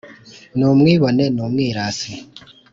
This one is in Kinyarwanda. Numwibone n ‘umwirasi .